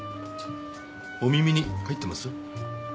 お耳に入ってます？